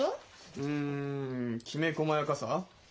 うんきめ細やかさ？